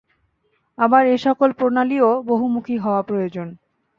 আবার এ-সকল প্রণালীও বহুমুখী হওয়া প্রয়োজন।